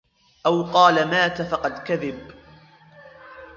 أو قال مات فقد كذب